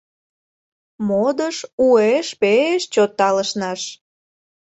Модыш уэш пеш чот талышныш.